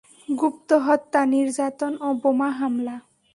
গুপ্তহত্যা, নির্যাতন ও বোমা হামলা।